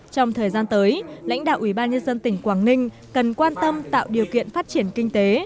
trong thời gian tới lãnh đạo ủy ban nhân dân tỉnh quảng ninh cần quan tâm tạo điều kiện phát triển kinh tế